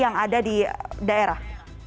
yang ada di daerah